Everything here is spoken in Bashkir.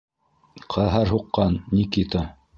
Ҡәһәр һуҡҡан Никита...